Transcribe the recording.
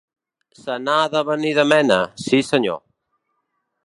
Se n'ha de venir de mena, sí senyor.